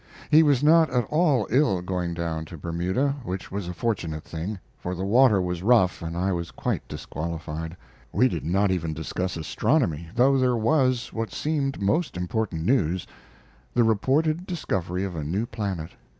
He was not at all ill going down to Bermuda, which was a fortunate thing, for the water was rough and I was quite disqualified. We did not even discuss astronomy, though there was what seemed most important news the reported discovery of a new planet.